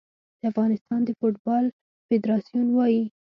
د افغانستان د فوټبال فدراسیون وايي